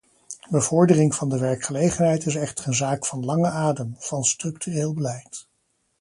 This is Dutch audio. Bevordering van de werkgelegenheid is echter een zaak van lange adem, van structureel beleid.